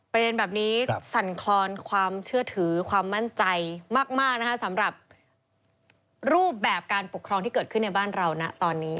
ประเด็นแบบนี้สั่นคลอนความเชื่อถือความมั่นใจมากนะคะสำหรับรูปแบบการปกครองที่เกิดขึ้นในบ้านเรานะตอนนี้